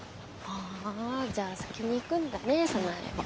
じゃあ先に行くんだね早苗は。